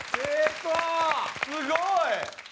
すごい！